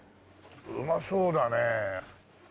うまそうだねえ。